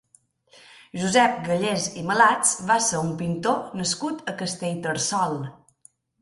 Josep Gallés i Malats va ser un pintor nascut a Castellterçol.